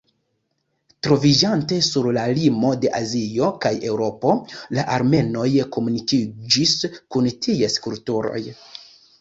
Troviĝante sur la limo de Azio kaj Eŭropo, la armenoj komunikiĝis kun ties kulturoj.